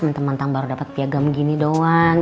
menteri mantang baru dapet piagam gini doang